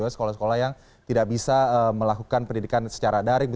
sekolah sekolah yang tidak bisa melakukan pendidikan secara daring